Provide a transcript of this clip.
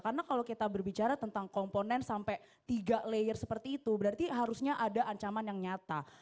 karena kalau kita berbicara tentang komponen sampai tiga layer seperti itu berarti harusnya ada ancaman yang nyata